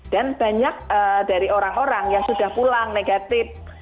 dan banyak dari orang orang yang sudah pulang negatif